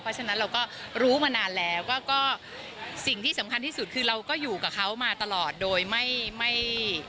เพราะฉะนั้นเราก็รู้มานานแล้วก็สิ่งที่สำคัญที่สุดคือเราก็อยู่กับเขามาตลอดโดยไม่ไม่